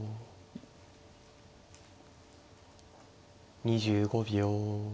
２５秒。